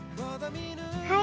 はい。